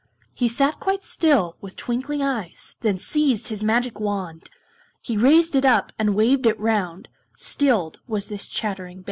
He sat quite still, with twinkling eyes, Then seized his mystic wand, He raised it up, and waved it round Stilled was this chattering band.